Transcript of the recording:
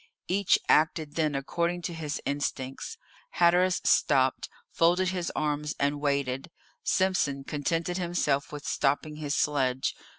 Each acted then according to his instincts. Hatteras stopped, folded his arms, and waited. Simpson contented himself with stopping his sledge.